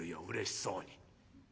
うれしそうに。